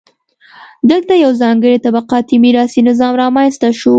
دلته یو ځانګړی طبقاتي میراثي نظام رامنځته شو.